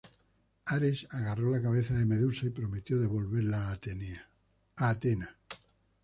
Ares agarró la cabeza de Medusa y prometió devolverla a Athena.